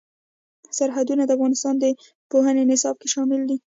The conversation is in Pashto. سرحدونه د افغانستان د پوهنې نصاب کې شامل دي.